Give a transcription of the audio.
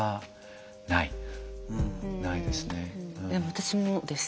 私もです。